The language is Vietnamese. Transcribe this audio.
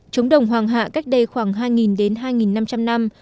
trống đồng hoàng hạ cách đây khoảng hai nghìn đến hai nghìn năm trăm linh năm